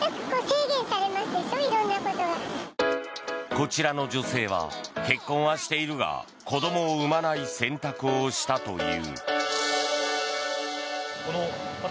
こちらの女性は結婚はしているが子供を産まない選択をしたという。